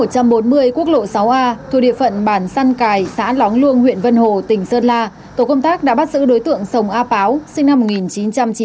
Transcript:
các vật chứng liên quan khác